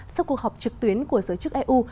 sau cuộc họp trực tuyến của giới chức eu